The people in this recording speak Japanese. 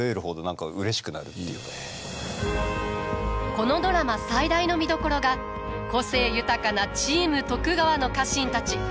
このドラマ最大の見どころが個性豊かな「チーム徳川」の家臣たち。